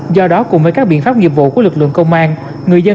do đó cùng với các biện pháp nghiệp vụ của lực lượng công an